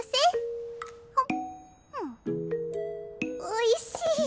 おいしい。